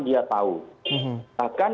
dia tahu bahkan